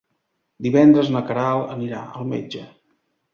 Divendres na Queralt anirà al metge.